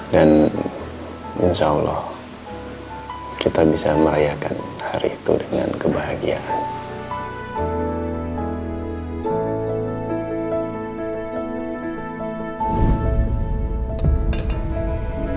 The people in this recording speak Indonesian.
dan insya allah kita bisa merayakan hari itu dengan kebahagiaan